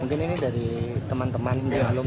mungkin ini dari teman teman